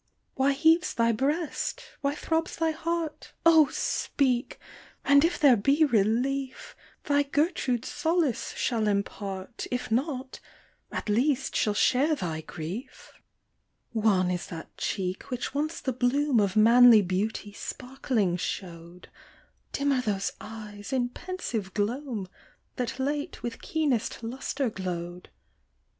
" Why heaves thy breast ?— why throbs thy heart ? O speak ! and if there be relief, Thy Gertrude solace shall impart, If not, at least shall share thy grief. g30 THE VAMPYRB. " Wan is that, cheek, which once the bloom Of manly beauty sparkling shew'd ; Dim are those eyes, in pensive gloam, That late with keenest lustre glow'd.